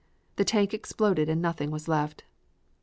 The tank exploded and nothing was left.